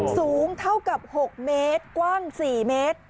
สูงเท่ากับ๖เมตรกว้าง๔เมตร